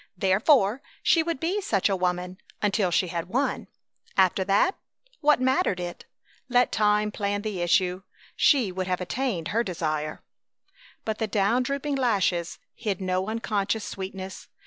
Therefore, she would be such a woman until she had won. After that? What mattered it? Let time plan the issue! She would have attained her desire! But the down drooping lashes hid no unconscious sweetness.